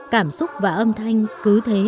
cảm xúc và âm thanh cứ thế